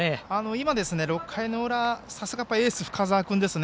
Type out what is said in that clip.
今、６回の裏さすがエースの深沢君ですね。